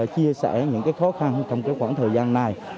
chia sẻ những cái khó khăn trong cái khoảng thời gian này